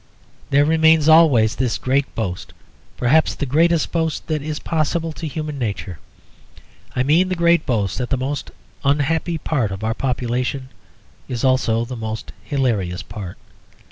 There remains always this great boast, perhaps the greatest boast that is possible to human nature. I mean the great boast that the most unhappy part of our population is also the most hilarious part.